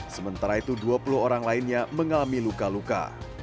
sementara itu dua puluh orang lainnya mengalami luka luka